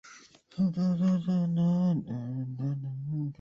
正式名称为妖精帝国第三军乐队。